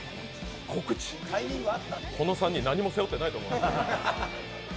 この３人、何も背負ってないと思いますよ。